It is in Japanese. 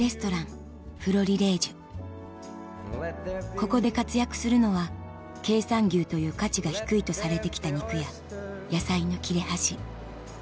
ここで活躍するのは経産牛という価値が低いとされて来た肉や野菜の切れ端